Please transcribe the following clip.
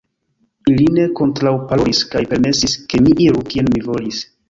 Ili ne kontraŭparolis, kaj permesis, ke mi iru, kien mi volis.